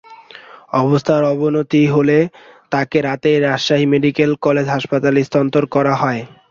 অবস্থার অবনতি হলে তাঁকে রাতেই রাজশাহী মেডিকেল কলেজ হাসপাতালে স্থানান্তর করা হয়।